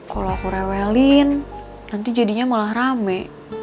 kalau aku rewelin nanti jadinya malah rame